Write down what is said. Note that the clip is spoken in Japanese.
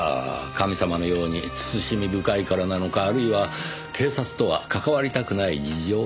神様のように慎み深いからなのかあるいは警察とは関わりたくない事情があるのか。